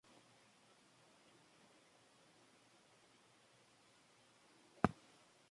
Poco se sabe del origen de Malón.